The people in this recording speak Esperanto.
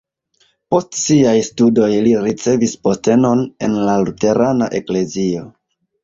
Post siaj studoj li ricevis postenon en la luterana eklezio.